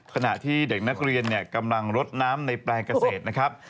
ขณะที่เด็กนักเรียนกำลังรดน้ำในแปลงเกษตรนะครับ